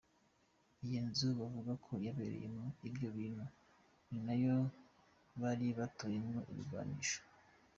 Iyo nzu bavuga ko yabereyemwo ivyo bintu ni na yo bari batoyemwo ibigwanisho".